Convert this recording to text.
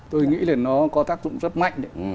tôi nghĩ là nó có tác dụng rất mạnh